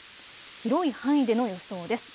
広い範囲での予想です。